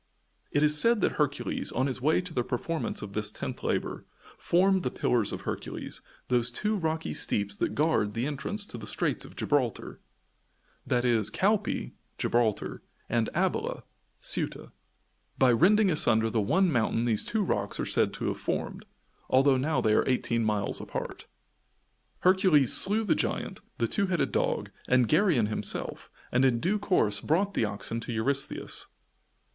It is said that Hercules, on his way to the performance of this tenth labor, formed the Pillars of Hercules those two rocky steeps that guard the entrance to the Straits of Gibraltar, i.e., Calpa (Gibraltar) and Abyla (Ceuta) by rending asunder the one mountain these two rocks are said to have formed, although now they are eighteen miles apart. Hercules slew the giant, the two headed dog and Geryon himself, and in due course brought the oxen to Eurystheus.